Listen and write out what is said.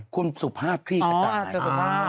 คุณสูฟาภาพพี่ตาย